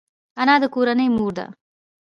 انا د کورنۍ مور ده